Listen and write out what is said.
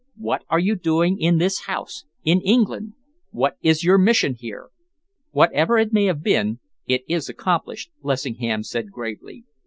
What are you doing in this house in England? What is your mission here?" "Whatever it may have been, it is accomplished," Lessingham said gravely.